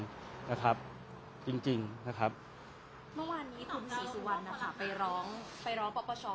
ที่ถูกกล่าวว่ามีกรณีคุกขันทางเขตทางพรรคได้รับทราบหรือยัง